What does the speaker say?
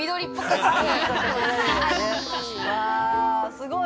◆すごい。